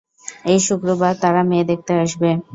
এই শুক্রবারে তারা মেয়ে দেখতে আসবে।